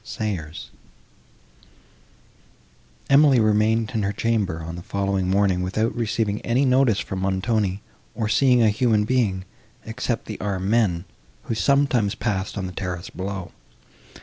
SAYERS Emily remained in her chamber, on the following morning, without receiving any notice from Montoni, or seeing a human being, except the armed men, who sometimes passed on the terrace below.